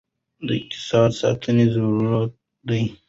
د اقتصاد ساتنه ضروري ده.